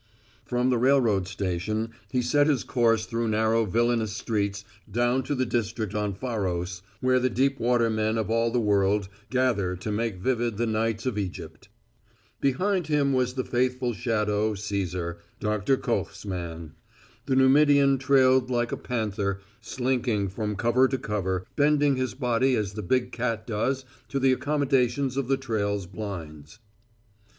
From the railroad station, he set his course through narrow villainous streets down to the district on Pharos, where the deep water men of all the world gather to make vivid the nights of Egypt. Behind him was the faithful shadow, Cæsar, Doctor Koch's man. The Numidian trailed like a panther, slinking from cover to cover, bending his body as the big cat does to the accommodations of the trail's blinds.